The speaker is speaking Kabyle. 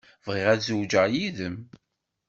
Bɣiɣ ad zewǧeɣ yid-m.